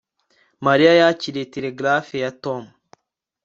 Mariya yakiriye telegraph ya Tom